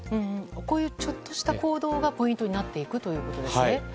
こういうちょっとした行動がポイントになるということですね。